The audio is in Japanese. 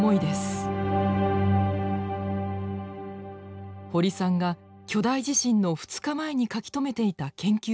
堀さんが巨大地震の２日前に書き留めていた研究メモです。